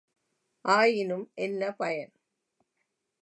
ஆயினும் என்ன பயன்?